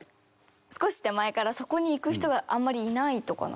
少し手前からそこに行く人があんまりいないとかなんですかね。